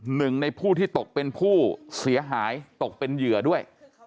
หนึ่งในผู้ที่ตกเป็นผู้เสียหายตกเป็นเหยื่อด้วย